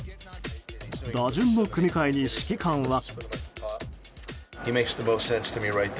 打順の組み替えに指揮官は。